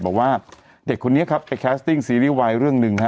บอกว่าเด็กคนนี้ครับไปแคสติ้งซีรีส์วายเรื่องหนึ่งฮะ